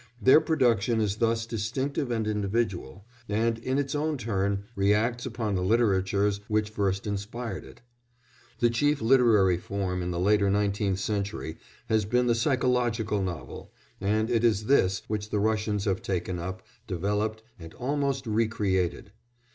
Their production is thus distinctive and individual, and, in its own turn, reacts upon the literatures which first inspired it. The chief literary form in the later nineteenth century has been the psychological novel, and it is this which the Russians have taken up, developed, and almost recreated.